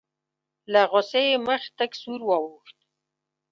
له غوسې یې مخ تک سور واوښت.